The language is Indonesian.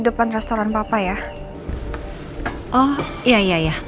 apartemen ada mari baldwin